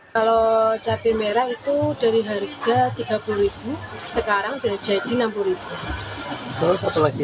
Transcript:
kalau cabai merah itu dari harga rp tiga puluh sekarang sudah jadi rp enam puluh